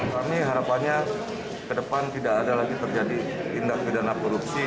kami harapannya ke depan tidak ada lagi terjadi tindak pidana korupsi